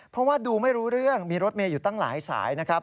เพราะว่าดูไม่รู้เรื่องมีรถเมย์อยู่ตั้งหลายสายนะครับ